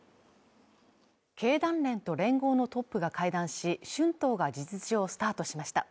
経団連と連合のトップが会談し春闘が事実上スタートしました